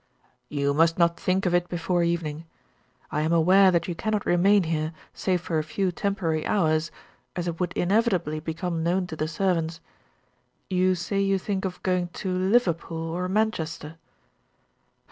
"You must not think of it before evening. I am aware that you cannot remain here, save for a few temporary hours, as it would inevitably become known to the servants. You say you think of going to Liverpool or Manchester?"